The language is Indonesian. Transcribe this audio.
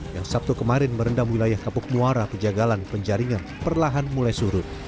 yang sabtu kemarin merendam wilayah kapuk muara pejagalan penjaringan perlahan mulai surut